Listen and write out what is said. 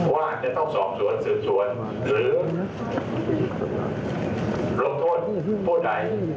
ว่าจะต้องสอบสวนสืบสวนหรือลงโทษผู้ใด